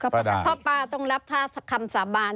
เพราะป้าต้องรับถ้าคำสาบาน